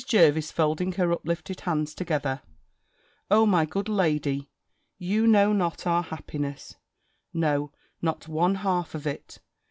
Jervis, folding her uplifted hands together "O my good lady, you know not our happiness; no, not one half of it.